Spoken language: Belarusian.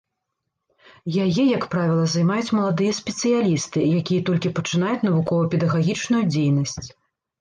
Яе, як правіла, займаюць маладыя спецыялісты, якія толькі пачынаюць навукова-педагагічную дзейнасць.